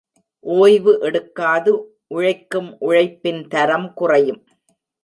ஒய்வு எடுக்காது உழைக்கும் உழைப்பின் தரம் குறையும்.